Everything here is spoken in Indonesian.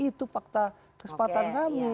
itu fakta kesempatan kami